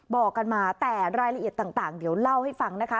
บอกกันมาแต่รายละเอียดต่างเดี๋ยวเล่าให้ฟังนะคะ